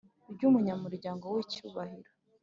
Ry umunyamuryango w icyubahiro